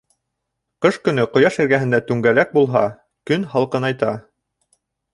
Ҡыш көнө ҡояш эргәһендә түңгәләк булһа, көн һалҡынайта.